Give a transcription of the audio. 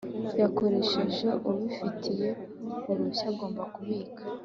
yakoreshejwe ubifitiye uruhushya agomba kubika